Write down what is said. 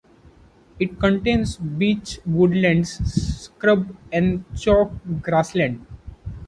It contains beech woodlands, scrub and chalk grassland.